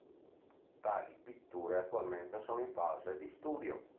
Tali pitture attualmente sono in fase di studio.